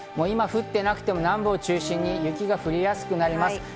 今降っていなくても南部を中心に雪が降りやすくなります。